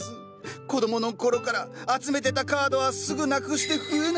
子供の頃から集めてたカードはすぐなくして増えない。